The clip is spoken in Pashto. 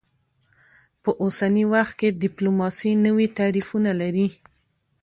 په اوسني وخت کې ډیپلوماسي نوي تعریفونه لري